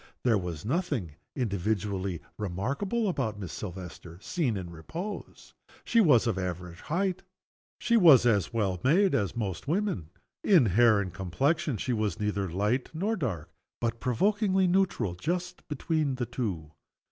There was nothing individually remarkable about Miss Silvester, seen in a state of repose. She was of the average height. She was as well made as most women. In hair and complexion she was neither light nor dark, but provokingly neutral just between the two.